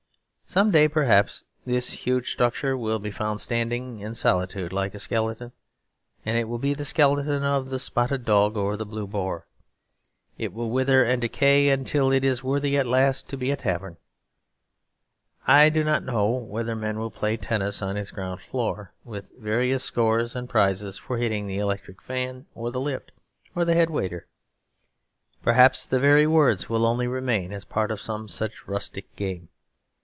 Some day perhaps this huge structure will be found standing in a solitude like a skeleton; and it will be the skeleton of the Spotted Dog or the Blue Boar. It will wither and decay until it is worthy at last to be a tavern. I do not know whether men will play tennis on its ground floor, with various scores and prizes for hitting the electric fan, or the lift, or the head waiter. Perhaps the very words will only remain as part of some such rustic game.